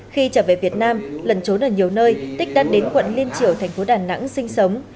khi trở về việt nam lẩn trốn ở nhiều nơi tích đã đến quận liên triều thành phố đà nẵng sinh sống